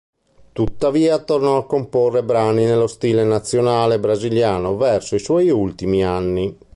Tuttavia, tornò a comporre brani nello stile nazionale brasiliano verso i suoi ultimi anni.